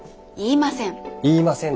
言いません。